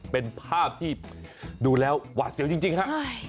เป็นภาพที่ดูแล้วหวาดเสียวจริงครับ